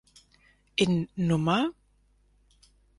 In Nr.